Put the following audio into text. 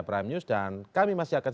prime news dan kami masih akan